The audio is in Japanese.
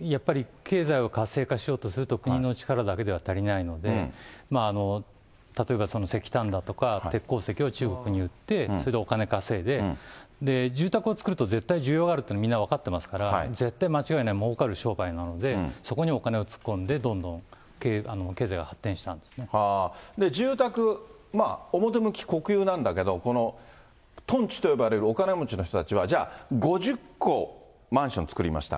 やっぱり経済を活性化しようとすると、国の力だけでは足りないので、例えば石炭だとか、鉄鉱石を中国に売って、それでお金稼いで、住宅を作ると絶対需要があるってみんな分かっていますから、絶対間違いない、もうかる商売なので、そこにお金を突っ込んで、住宅、まあ表向き国有なんだけど、このトンチュと呼ばれるお金持ちの人たちは、じゃあ、５０戸マンション作りました。